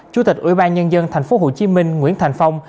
chủ tịch ủy ban nhân dân tp hcm nguyễn thành phong